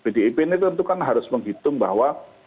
pdip ini tentu kan harus menghitung bahwa